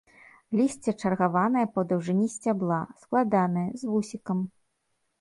Лісце чаргаванае па даўжыні сцябла, складанае, з вусікам.